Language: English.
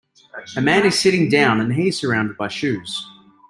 A man is sitting down and he is surrounded by shoes.